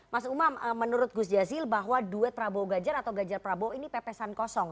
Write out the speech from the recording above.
mas umam menurut gus jazil bahwa duet prabowo ganjar atau ganjar prabowo ini pepesan kosong